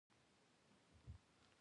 چې اوبۀ به پکښې راشي